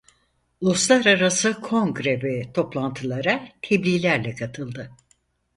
Uluslararası kongre ve toplantılara tebliğlerle katıldı.